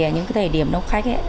những thời điểm nông khách